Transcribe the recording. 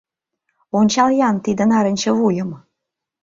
Ончал-ян, тиде нарынче вуйым.